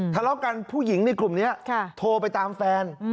ทะเลาะกันผู้หญิงในกลุ่มนี้โทรไปตามแฟน